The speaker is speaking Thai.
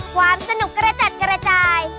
ความสนุกกระจัดกระจาย